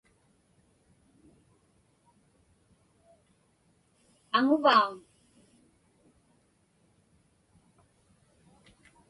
Aŋuvauŋ?